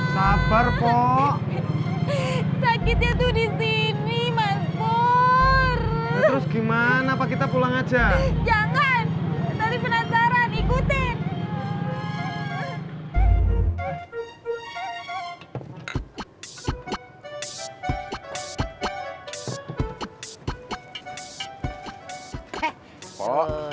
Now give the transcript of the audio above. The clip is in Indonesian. sampai jumpa di video selanjutnya